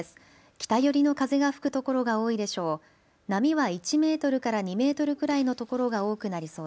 北寄りの風が吹くところが多いでしょう。